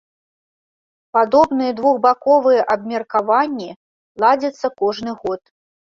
Падобныя двухбаковыя абмеркаванні ладзяцца кожны год.